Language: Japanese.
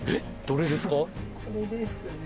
どれですか？